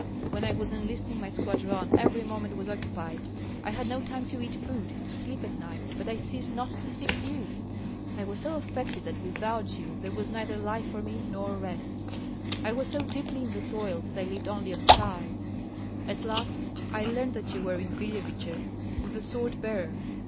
When I was enlisting my squadron every moment was occupied; I had not time to eat food, to sleep at night, but I ceased not to seek you. I was so affected that without you there was neither life for me nor rest. I was so deeply in the toils that I lived only on sighs. At last I learned that you were in Billeviche with the sword bearer.